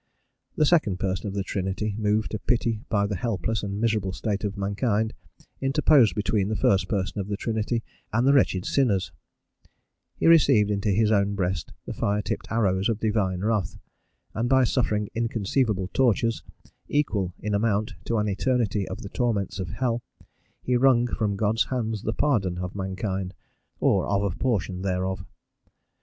The second person of the Trinity moved to pity by the helpless and miserable state of mankind, interposed between the first person of the Trinity and the wretched sinners; he received into his own breast the fire tipped arrows of divine wrath, and by suffering inconceivable tortures, equal in amount to an eternity of the torments of hell, he wrung from God's hands the pardon of mankind, or of a portion thereof.